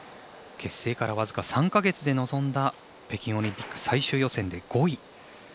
結成から僅か３か月で臨んだ北京オリンピック最終予選で５位。